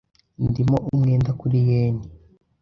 Ndimo umwenda kuri yen .